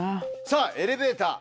さぁエレベーター